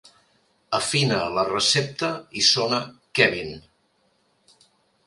Afina la recepta i sona ‘Kevin’.